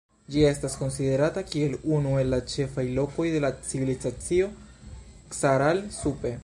Ĝi estas konsiderata kiel unu el ĉefaj lokoj de la Civilizacio Caral-Supe.